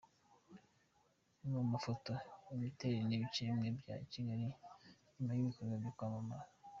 Mu mafoto: Imiterere y’ibice bimwe bya Kigali nyuma y’ibikorwa byo kwamamaza.